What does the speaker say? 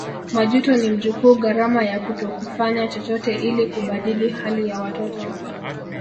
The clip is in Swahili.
Majuto ni mjukuu gharama ya kutokufanya chochote ili kubadili hali ya watoto